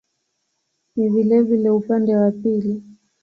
Ni vilevile upande wa pili.